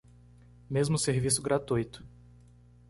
Mesmo serviço gratuito